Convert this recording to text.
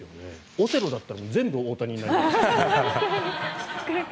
オセロだったら全部大谷になりますよ。